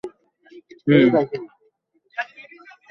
আমরা রেহানের জন্য অপেক্ষা কেন করছি না?